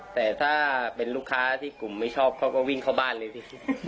แต่ถ้าเป็นลูกค้าที่กลุ่มไม่ชอบเขาก็วิ่งเข้าบ้านเลยสิ